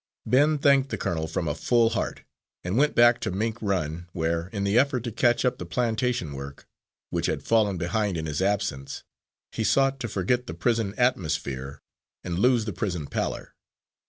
Ben thanked the colonel from a full heart, and went back to Mink Run, where, in the effort to catch up the plantation work, which had fallen behind in his absence, he sought to forget the prison atmosphere and lose the prison pallor.